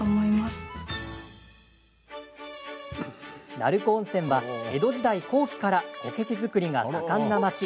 鳴子温泉は、江戸時代後期からこけし作りが盛んな町。